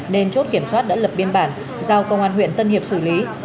nên chốt kiểm soát đã lập biên bản giao công an huyện tân hiệp xử lý